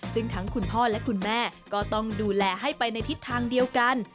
ซึ่งทั้งคุณพ่อและคุณแม่ก็ต้องดูแลให้ไปในทิศทางเดียวกัน